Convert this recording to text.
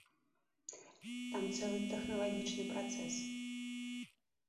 Там цэлы тэхналагічны працэс.